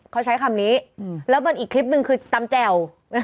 เขาใช้คำนี้แล้วมันอีกคลิปหนึ่งคือตำแจ่ว